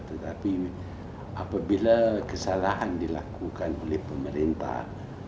tetapi apabila kesalahan dilakukan oleh pemerintah